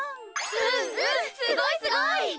うんうんすごいすごい！